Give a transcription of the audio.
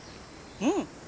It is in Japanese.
うん。